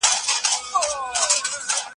په فابریکو کي کارګرانو ته نوي روزنه ورکړل سوې وه.